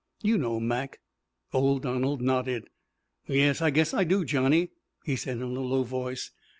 "You know, Mac." Old Donald nodded. "Yes, I guess I do, Johnny," he said in a low voice.